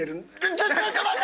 ちょっと待って！